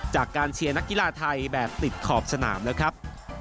จากการเชียร์นักกีฬาไทยแบบติดขอบสนามแล้วครับ